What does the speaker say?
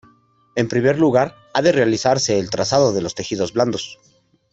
En primer lugar ha de realizarse el trazado de los tejidos blandos.